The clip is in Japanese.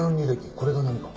これが何か？